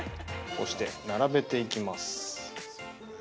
◆こうしてならべていきます。